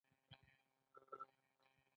دوی باید د انجنیری په اخلاقو پوه وي.